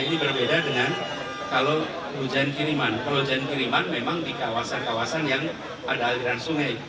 ini berbeda dengan kalau hujan kiriman kalau hujan kiriman memang di kawasan kawasan yang ada aliran sungai